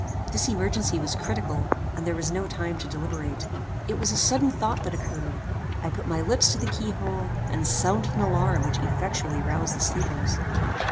This emergency was critical, and there was no time to deliberate. It was a sudden thought that occurred. I put my lips to the key hole, and sounded an alarm which effectually roused the sleepers.